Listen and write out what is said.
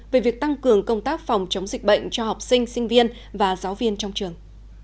về việc tăng cường công tác phòng chống dịch bệnh cho học sinh sinh viên và giáo viên trong trường